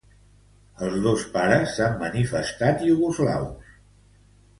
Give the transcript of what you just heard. Els dos pares s'han manifestat iugoslaus.